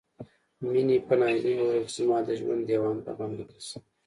مينې په ناهيلۍ وويل چې زما د ژوند ديوان په غم ليکل شوی